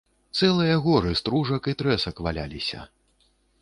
Цэлыя горы стружак і трэсак валяліся.